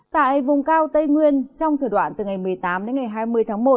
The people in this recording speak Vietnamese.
tại vùng cao tây nguyên trong thời đoạn từ ngày một mươi tám đến ngày hai mươi tháng một